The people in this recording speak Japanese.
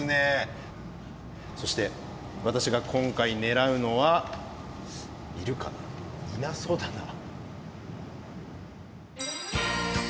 そして私が今回狙うのはいるかないなそうだなあ。